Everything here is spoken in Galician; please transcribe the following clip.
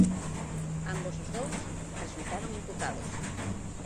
Ambos os dous resultaron imputados.